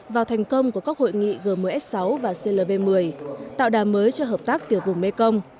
vào thành công của các hội nghị g một mươi s sáu và clv một mươi tạo đàm mới cho hợp tác tiểu vùng mê công